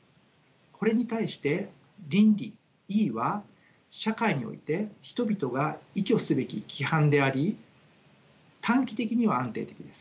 これに対して倫理は社会において人々が依拠すべき規範であり短期的には安定的です。